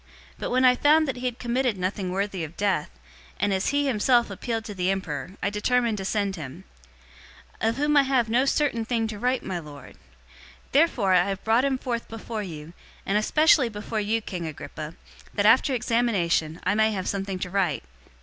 025:025 But when I found that he had committed nothing worthy of death, and as he himself appealed to the emperor I determined to send him. 025:026 Of whom I have no certain thing to write to my lord. Therefore I have brought him forth before you, and especially before you, King Agrippa, that, after examination, I may have something to write.